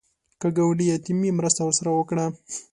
که ګاونډی یتیم وي، مرسته ورسره وکړه